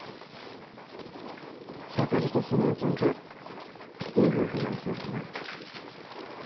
タケルと沙苗ちゃんっていい夫婦になりそうだね。